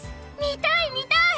見たい見たい！